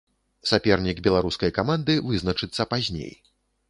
Сапернік беларускай каманды вызначыцца пазней.